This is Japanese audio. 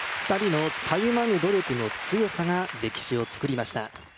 ２人のたゆまぬ努力の強さが歴史を作りました。